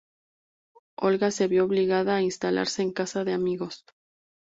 Olga se vio obligada a instalarse en casa de amigos.